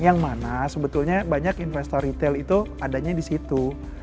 yang mana sebetulnya banyak investor retail itu adanya di situ